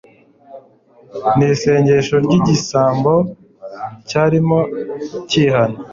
Ni isengesho ry'igisambo cyarimo cyihana.